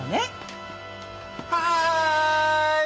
はい！